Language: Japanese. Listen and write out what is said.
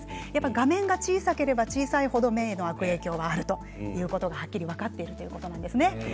画面が小さければ小さい程目への影響があるということが分かっているということです。